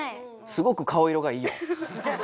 すごく顔色がいいよ。